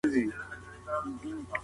صنعتي هېوادونه ډېر صادرات لري.